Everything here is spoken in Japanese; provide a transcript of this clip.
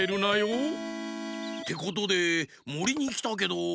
ことでもりにきたけど。